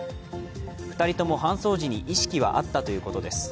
２人とも搬送時に意識は会ったということです。